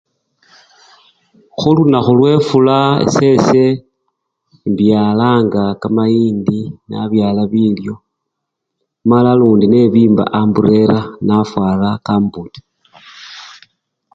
hulunahu lwefula esese mbyalanga kamayindi, nabyala bilyo mala lundi nebimba amburela nafwara kamubuti